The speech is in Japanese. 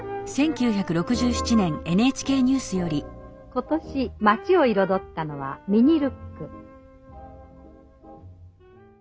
今年街を彩ったのはミニルック。